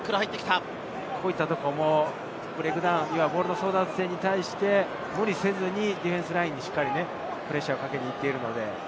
ブレイクダウン、ボールの争奪戦に対して無理せずに、ディフェンスラインにしっかりプレッシャーをかけに行っています。